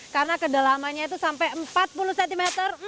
karena kedalamannya itu sampai empat puluh cm